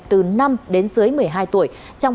từ năm đến sáu tuổi